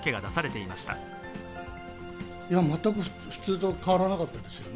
いや全く普通と変わらなかったですよね。